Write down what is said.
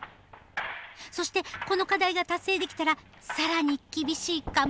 そしてこの課題が達成できたら更に厳しい関門が。